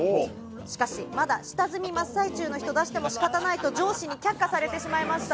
しかし、まだ下積み真っ最中の人を出しても仕方ないと上司に却下されてしまいました。